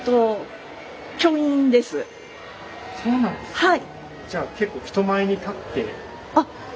はい。